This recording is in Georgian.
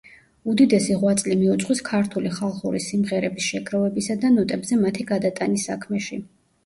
უდიდესი ღვაწლი მიუძღვის ქართული ხალხური სიმღერების შეგროვებისა და ნოტებზე მათი გადატანის საქმეში.